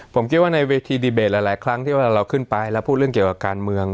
ผมคิดว่าในเวทีดีเบตหลายครั้งที่เวลาเราขึ้นไปแล้วพูดเรื่องเกี่ยวกับการเมือง